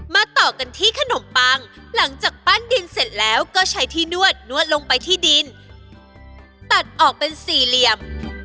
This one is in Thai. ต่อกันที่ขนมปังหลังจากปั้นดินเสร็จแล้วก็ใช้ที่นวดนวดลงไปที่ดินตัดออกเป็นสี่เหลี่ยม